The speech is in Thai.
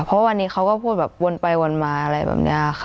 เพราะวันนี้เขาก็พูดแบบวนไปวนมาอะไรแบบนี้ค่ะ